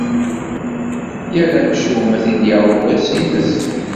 Yal amcum ad t-id-yaweḍ wass-nnes.